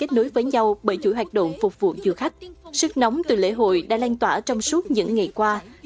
thành phố thủ đức